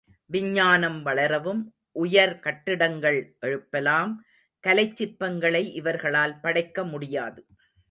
விஞ்ஞானம் வளரவும், உயர் கட்டிடங்கள் எழுப்பலாம் கலைச் சிற்பங்களை இவர்களால் படைக்க முடியாது.